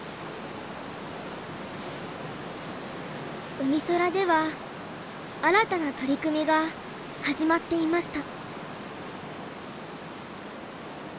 うみそらでは新たな取り組みが始まっていました。